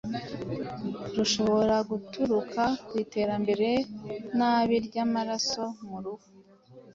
rushobora guturuka ku itembera nabi ry’amaraso mu ruhu